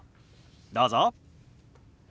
どうぞ。